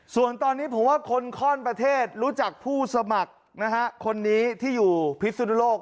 ส่วนตอนนี้ผมว่าคนข้อนประเทศรู้จักผู้สมัครนะฮะคนนี้ที่อยู่พิสุนโลก